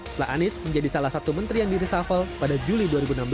setelah anies menjadi salah satu menteri yang dirisafel pada juli dua ribu enam belas